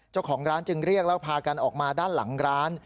เจ้าของร้านจึงเรียกแล้วพากันออกมาด้านหลังร้าน